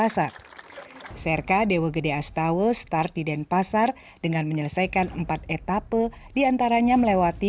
serka dewa gede astawa berhasil menyelesaikan maraton selama lima hari